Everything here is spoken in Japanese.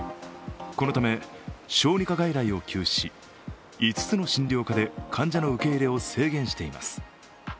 このため小児科外来を休止し５つの診療科で患者の受け入れを制限しています。